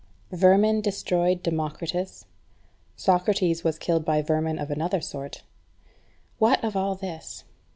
Vermin destroyed Democritus; Socrates was killed by vermin of another sort. What of all this?